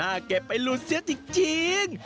เก็บไปหลุดเสียจริง